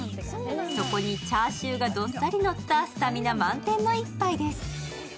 そこにチャーシューがどっさりのった、スタミナ満点の一杯です。